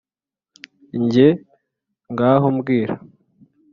njye: ngaho mbwira